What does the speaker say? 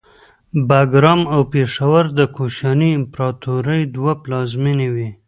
باګرام او پیښور د کوشاني امپراتورۍ دوه پلازمینې وې